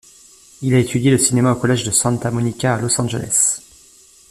Il a étudié le cinéma au collège de Santa Monica à Los Angeles.